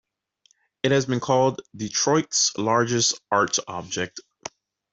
It has been called "Detroit's largest art object".